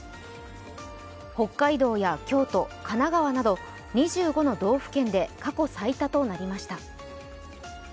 北海道や京都、神奈川など２５の道府県で過去最多となりました。